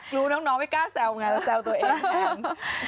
รู้น้องไม่กล้าแซวไงแต่แซวตัวเองอย่างนั้น